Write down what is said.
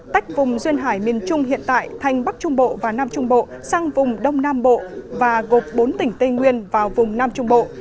tách vùng duyên hải miền trung hiện tại thành bắc trung bộ và nam trung bộ sang vùng đông nam bộ và gộp bốn tỉnh tây nguyên vào vùng nam trung bộ